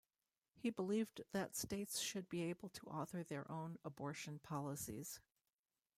He believed that states should be able to author their own abortion policies.